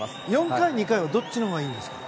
４回と２回はどっちがいいんですか？